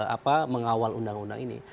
apa mengawal undang undang ini